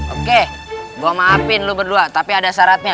oke gue maafin lu berdua tapi ada syaratnya